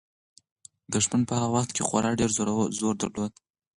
دښمن په هغه وخت کې خورا ډېر زور درلود.